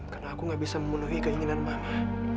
karena aku gak bisa memenuhi keinginan mama